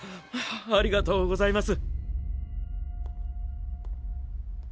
ありがとうございます。